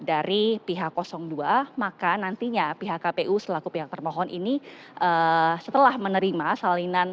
namun jika mk ini menolak gugatan dari pihak dua maka nantinya pihak kpu selaku pihak permohon ini setelah menerima salinan putusan sidang besok